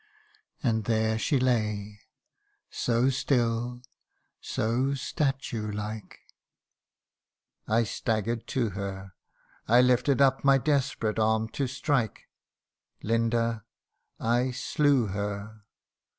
And there she lay so still, so statue like I stagger'd to her CANTO III. I lifted up my desperate arm to strike Linda I slew her